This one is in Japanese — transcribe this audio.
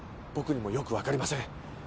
僕にもよく分かりません。